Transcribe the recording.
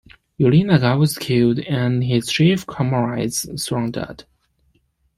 Yorinaga was killed and his chief comrades surrendered.